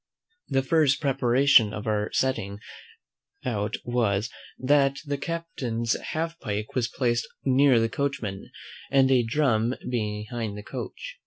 The first preparation for our setting out was, that the captain's half pike was placed near the coachman, and a drum behind the coach.